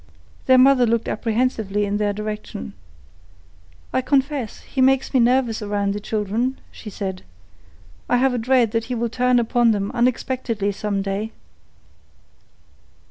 Their mother looked apprehensively in their direction. "I confess, he makes me nervous around the children," she said. "I have a dread that he will turn upon them unexpectedly some day."